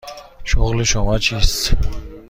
شغل شما چیست؟